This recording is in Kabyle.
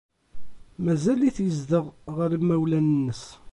Mazal-it yezdeɣ ɣer yimawlan-nnes.